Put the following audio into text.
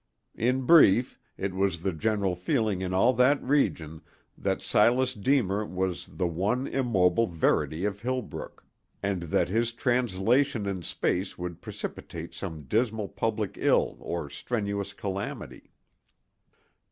In brief, it was the general feeling in all that region that Silas Deemer was the one immobile verity of Hillbrook, and that his translation in space would precipitate some dismal public ill or strenuous calamity.